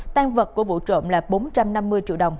tan vật của vụ trộm là bốn trăm năm mươi triệu đồng